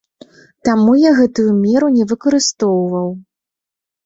Таму я гэтую меру не выкарыстоўваў.